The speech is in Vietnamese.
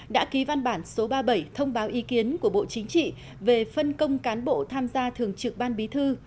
đã ký văn bản số ba mươi bảy thông báo ý kiến của bộ chính trị về phân công cán bộ tham gia thường trực ban bí thư